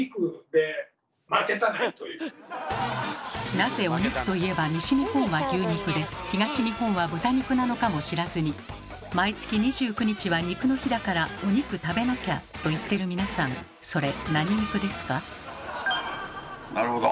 なぜお肉といえば西日本は牛肉で東日本は豚肉なのかも知らずに「毎月２９日は肉の日だからお肉食べなきゃ」と言ってる皆さんそれ何肉ですか？